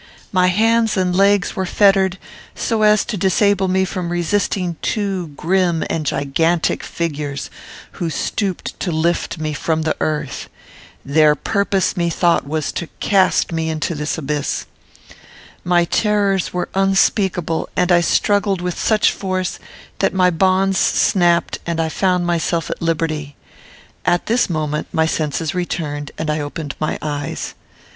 My hands and legs were fettered, so as to disable me from resisting two grim and gigantic figures who stooped to lift me from the earth. Their purpose, methought, was to cast me into this abyss. My terrors were unspeakable, and I struggled with such force, that my bonds snapped and I found myself at liberty. At this moment my senses returned, and I opened my eyes.